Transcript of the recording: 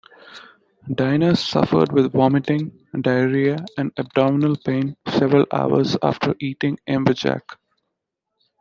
Diners suffered with vomiting, diarrhoea and abdominal pain several hours after eating amberjack.